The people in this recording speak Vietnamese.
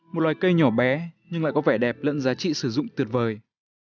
một loài cây nhỏ bé nhưng lại có vẻ đẹp lẫn giá trị sử dụng tuyệt vời